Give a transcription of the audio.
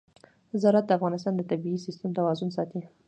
زراعت د افغانستان د طبعي سیسټم توازن ساتي.